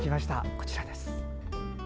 こちらです。